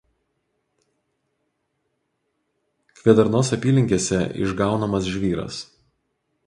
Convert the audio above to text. Kvėdarnos apylinkėse išgaunamas žvyras.